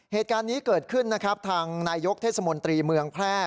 เหตุการณ์นี้เกิดขึ้นนะครับทางนายยกเทศมนตรีเมืองแพร่